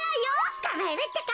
つかまえるってか！